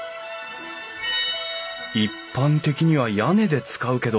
一般的には屋根で使うけど。